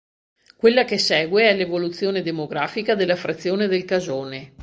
Quella che segue è l'evoluzione demografica della frazione del Casone.